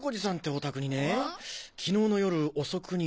お宅にねきのうの夜遅くに。